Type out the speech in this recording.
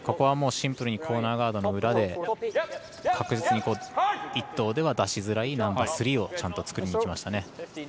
シンプルにコーナーガードの裏で確実に１投では出しづらいスリーをちゃんと、作りにいきましたね。